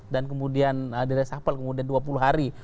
dan kemudian diresapel kemudian dua puluh hari